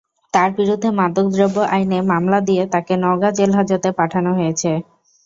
তাঁর বিরুদ্ধে মাদকদ্রব্য আইনে মামলা দিয়ে তাঁকে নওগাঁ জেলহাজতে পাঠানো হয়েছে।